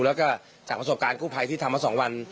แล้วก็จากประสบการณ์กู้ภัยที่ทำมา๒วัน